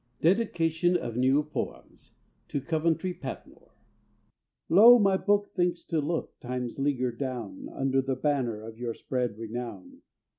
DEDICATION OF "NEW POEMS" To COVENTRY PATMORE Lo, my book thinks to look Time's leaguer down Under the banner of your spread renown!